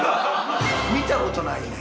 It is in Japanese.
見た事ないねん。